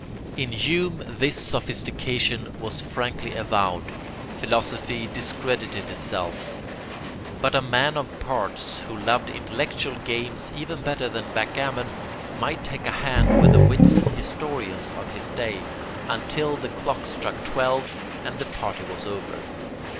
In Hume this sophistication was frankly avowed. Philosophy discredited itself; but a man of parts, who loved intellectual games even better than backgammon, might take a hand with the wits and historians of his day, until the clock struck twelve and the party was over.